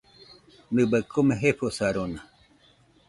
Nɨbai kome jefosaroma.